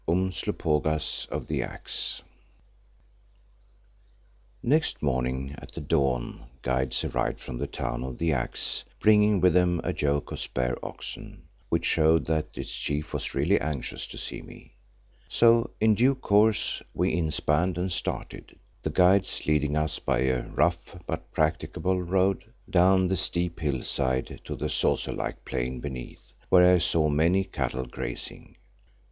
UMSLOPOGAAS OF THE AXE Next morning at the dawn guides arrived from the Town of the Axe, bringing with them a yoke of spare oxen, which showed that its Chief was really anxious to see me. So, in due course we inspanned and started, the guides leading us by a rough but practicable road down the steep hillside to the saucer like plain beneath, where I saw many cattle grazing.